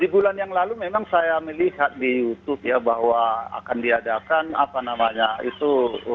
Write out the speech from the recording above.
di bulan yang lalu memang saya melihat di youtube ya bahwa akan diadakan apa namanya itu